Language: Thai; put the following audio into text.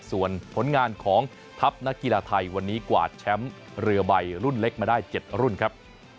ส่วนผลงานของทัพนักกีฬาไทยวันนี้กวาดแชมป์เรือใบรุ่นเล็กมาได้๗รุ่นครับ